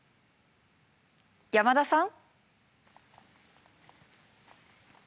山田さん？